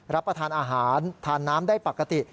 รับประทานอาหารทานน้ำได้ปกติ